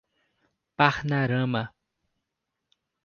Parnarama